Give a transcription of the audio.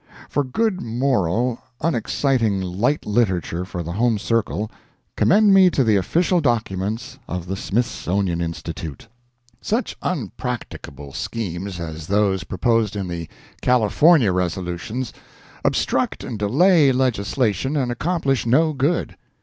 For good moral, unexciting light literature for the home circle, commend me to the official documents of the Smithsonian Institute. Such unpracticable schemes as those proposed in the California resolutions obstruct and delay legislation and accomplish no good.